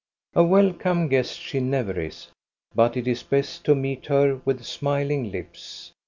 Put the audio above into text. A welcome guest she never is. But it is best to meet her with smiling.. lips!